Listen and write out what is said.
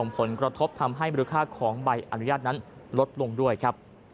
ผลกระทบทำให้มูลค่าของใบอนุญาตนั้นลดลงด้วยครับ